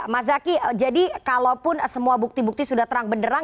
mas zaky jadi kalaupun semua bukti bukti sudah terang benderang